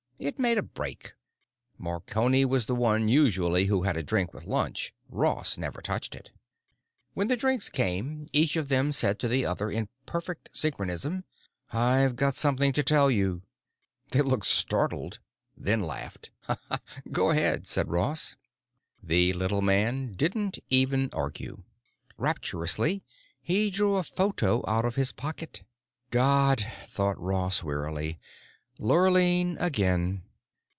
It made a break; Marconi was the one usually who had a drink with lunch, Ross never touched it. When the drinks came, each of them said to the other in perfect synchronism: "I've got something to tell you." They looked startled—then laughed. "Go ahead," said Ross. The little man didn't even argue. Rapturously he drew a photo out of his pocket. God, thought Ross wearily, Lurline again!